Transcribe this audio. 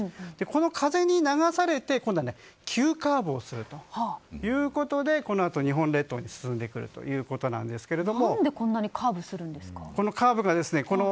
この風に流されて今度は急カーブをするということでこのあと日本列島に進んでくるということですが何で、こんなにカーブするんですか？